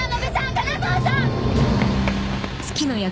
金澤さん！